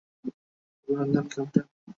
অভিনন্দন, ক্যাপ্টেন।